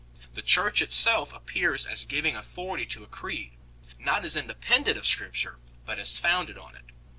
The Church itself appears as giving authority to a Creed, not as independent of Scripture, but as founded on it.